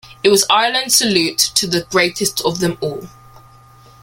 It was Ireland's salute to the greatest of them all.